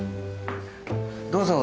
どうぞ。